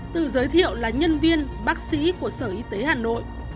tự giới thiệu là nhân viên bác sĩ của sở y tế hà nội